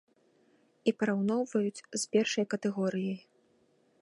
І параўноўваюць з першай катэгорыяй.